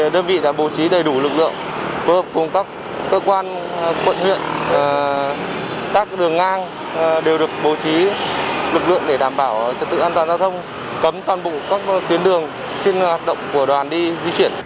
để đủ lực lượng phù hợp cùng các cơ quan quận huyện các đường ngang đều được bố trí lực lượng để đảm bảo trật tự an toàn giao thông cấm toàn bộ các tuyến đường trên hạt động của đoàn đi di chuyển